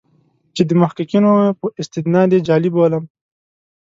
چې د محققینو په استناد یې جعلي بولم.